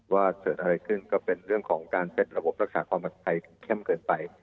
ว่าเกิดอะไรขึ้นก็เป็นเรื่องของการเซ็ตระบบรักษาความปลอดภัยเข้มเกินไป